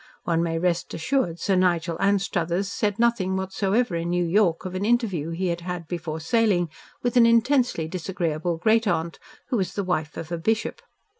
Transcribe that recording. One may rest assured Sir Nigel Anstruthers said nothing whatsoever in New York of an interview he had had before sailing with an intensely disagreeable great aunt, who was the wife of a Bishop.